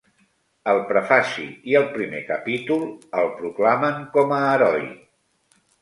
El prefaci i el primer capítol el proclamen com a heroi.